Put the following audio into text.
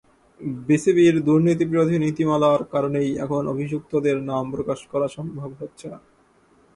বিসিবির দুর্নীতিবিরোধী নীতিমালার কারণেই এখন অভিযুক্তদের নাম প্রকাশ করা সম্ভব হচ্ছে না।